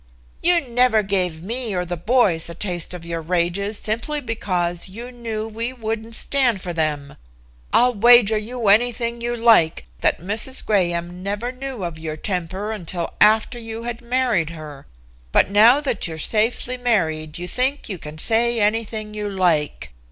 "You never gave me or the boys a taste of your rages simply because you knew we wouldn't stand for them. I'll wager you anything you like that Mrs. Graham never knew of your temper until after you had married her. But now that you're safely married you think you can say anything you like.